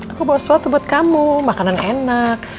aku bawa soto buat kamu makanan enak